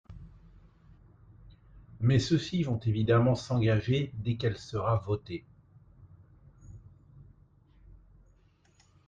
Mais ceux-ci vont évidemment s’engager dès qu’elle sera votée.